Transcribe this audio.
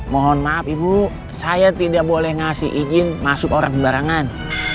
mohon maaf ibu saya tidak boleh ngasih izin masuk orang barangan